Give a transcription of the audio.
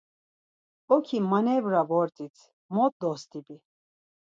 Oki manebra vort̆it, mot dostibi?